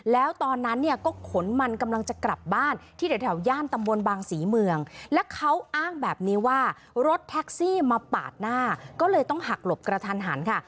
แล้วตอนนั้นเนี่ยก็ขนมันกำลังจะกลับบ้านที่แถวย่านตำบลบางศรีเมืองแล้วเขาอ้างแบบนี้ว่ารถแท็กซี่มาปาดหน้าก็เลยต้องหักหลบกระทันหันค่ะ